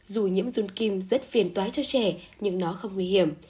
dù nhiễm run kim rất phiền toái cho trẻ nhưng nó không nguy hiểm